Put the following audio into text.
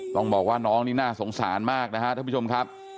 ต้องบอกว่าน้องนี่น่าสงสารมากนะครับท่านผู้ชมครับ